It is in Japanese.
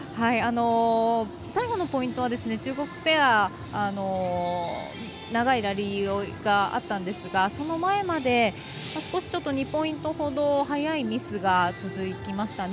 最後のポイントは中国ペア長いラリーがあったんですがその前まで少しちょっと２ポイントほど早いミスが続きましたね。